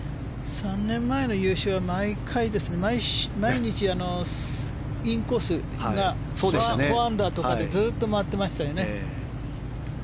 ３年前の優勝は毎日、インコースが４アンダーとかでずっと回っていましたよね。